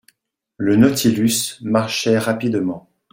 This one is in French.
Le Nautilus marchait rapidement.